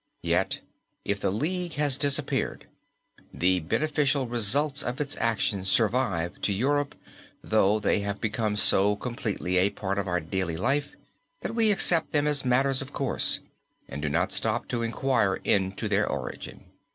Yet, if the league has disappeared, the beneficial results of its action survive to Europe though they have become so completely a part of our daily life that we accept them as matters of course, and do not stop to inquire into their origin."